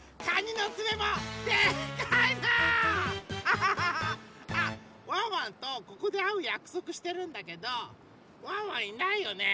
あっワンワンとここであうやくそくしてるんだけどワンワンいないよね？